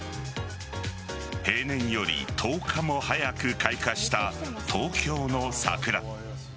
平年より１０日も早く開花した東京の桜。